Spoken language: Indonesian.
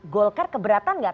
golkar keberatan gak